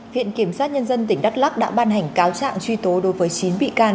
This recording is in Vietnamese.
viện kiểm soát nhân dân tỉnh đắk lắk đã ban hành cáo trạng truy tố đối với chín vị can